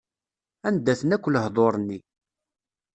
Anda-ten akk lehduṛ-nni.